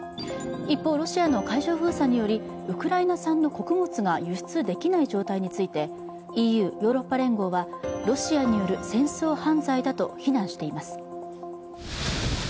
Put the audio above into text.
一方、ロシアの海上封鎖により、ウクライナ産の穀物が輸出できない状態についてＥＵ＝ヨーロッパ連合はロシアによる戦争犯罪だと非難しています。